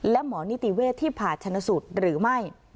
และหมอนิติเวศที่ผ่าชนสูตรหรือไม่